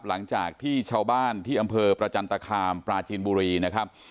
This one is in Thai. หลังจากที่ชาวบ้านที่อำเภอประจันตคามปลาจีนบุรีนะครับ